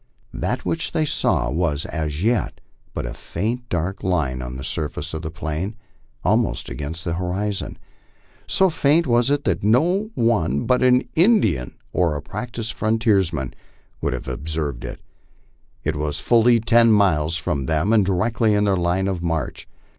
That which they saw was as yet but a faint dark line on the surface of the plain, almost against the horizon. So faint was it that no one but an Indian or 68 MY LIFE ON THE PLAINS. practised frontiersman would have observed it. It was fully ten miles from them and directly in their line of march.